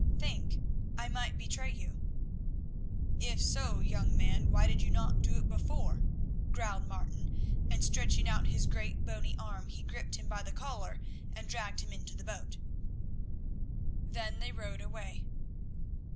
"Think, I might betray you." "If so, young man, why did you not do it before?" growled Martin, and stretching out his great, bony arm he gripped him by the collar and dragged him into the boat. Then they rowed away.